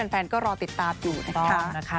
แฟนก็รอติดตามอยู่นะคะ